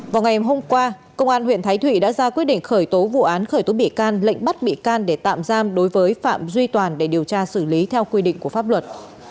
vào ngày hôm qua công an huyện thái thụy đã ra quyết định khởi tố vụ án khởi tố bị can lệnh bắt bị can để tạm giam đối với phạm duy toàn để điều tra xử lý theo quy định của pháp luật